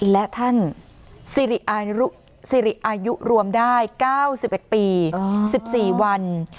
และท่านสิริอายุรวมได้๙๑ปี๑๔วัน